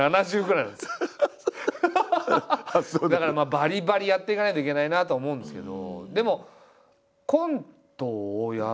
だからバリバリやっていかないといけないなとは思うんですけど。